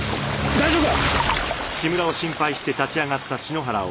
大丈夫か？